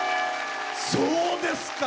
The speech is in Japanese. そうですか。